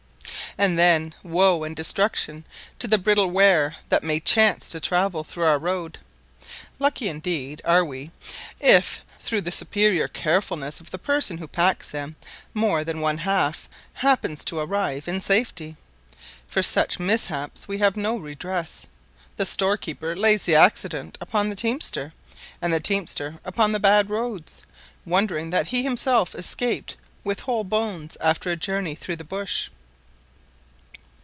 And then woe and destruction to the brittle ware that may chance to travel through our roads. Lucky, indeed, are we if, through the superior carefulness of the person who packs them, more than one half happens to arrive in safety. For such mishaps we have no redress. The storekeeper lays the accident upon the teamster, and the teamster upon the bad roads, wondering that he himself escapes with whole bones after a journey through the bush.